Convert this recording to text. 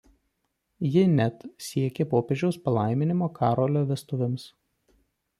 Ji net siekė popiežiaus palaiminimo Karolio vestuvėms.